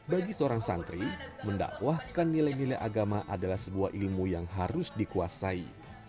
bagi seorang santri mendakwahkan nilai nilai agama adalah sebuah ilmu yang harus dikuasai